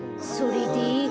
それで？